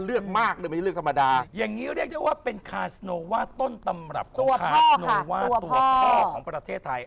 เลือกมากหรือไม่ใช่เลือกธรรมดาอย่างนี้เรียกได้ว่าเป็นคาสโนว่าต้นตำรับของคาโนว่าตัวพ่อของประเทศไทย